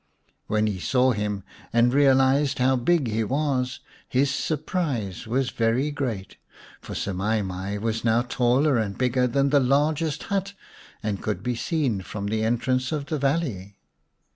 When he saw him and realised how huge he was, his surprise was very great. For Semai mai was now taller and bigger than the largest hut, and could be seen from the entrance of the valley.